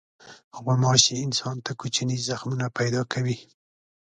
غوماشې انسان ته کوچني زخمونه پیدا کوي.